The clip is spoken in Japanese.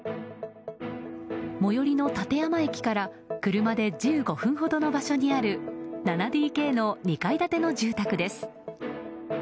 最寄りの館山駅から車で１５分ほどの場所にある７ＤＫの２階建ての住宅です。